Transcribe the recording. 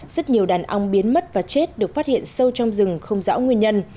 rất nhiều đàn ong biến mất và chết được phát hiện sâu trong rừng không rõ nguyên nhân